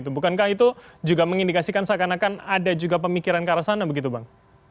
bukankah itu juga mengindikasikan seakan akan ada juga pemikiran ke arah sana begitu bang